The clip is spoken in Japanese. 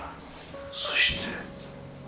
そして。